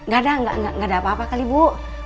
gak ada nggak ada apa apa kali bu